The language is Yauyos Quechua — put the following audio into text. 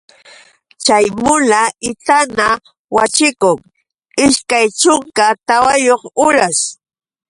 Chay mula itana waćhikun ishkaya chunka tawayuq uras.